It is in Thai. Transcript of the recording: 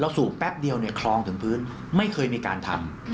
สูบแป๊บเดียวเนี่ยคลองถึงพื้นไม่เคยมีการทำ